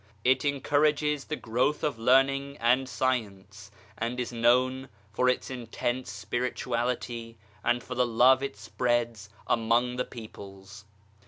It encourages the growth of learning and science and is known for its intense Spirituality and for the love it spreads among the peoples.